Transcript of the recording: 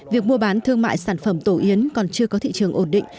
việc mua bán thương mại sản phẩm tổ yến còn chưa có thị trường ổn định